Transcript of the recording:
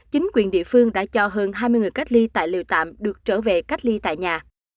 chính quyền địa phương đã cho hơn hai mươi người cách ly tài liệu tạm được trở về cách ly tại nhà